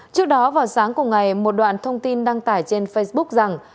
trước đó vào sáng cùng ngày một đoạn thông tin đăng tải trên facebook rằng